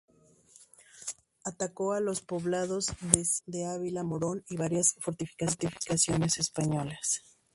Atacó a los poblados de Ciego de Ávila, Morón y varias fortificaciones Españolas.